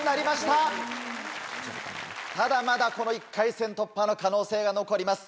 ただまだこの１回戦突破の可能性が残ります。